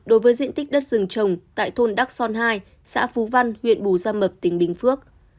đối với diện tích đất rừng trồng tại thôn đắc son hai xã phú văn huyện bù gia mập tỉnh bình phước